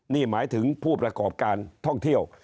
นี่หมายถึงผู้ประกอบการท่องเที่ยว